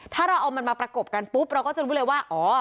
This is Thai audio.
ถ้าเราเอามันมาประกบกันปุ๊บเราก็จะรู้เลยว่าอ๋อ